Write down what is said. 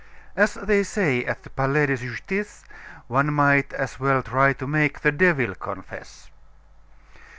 As they say at the Palais de Justice, one might as well try to make the devil confess.